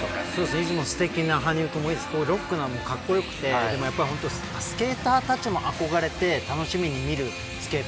いつものすてきな羽生君もいいですけどロックな彼もかっこよくてスケーターたちも憧れて楽しみに見るスケート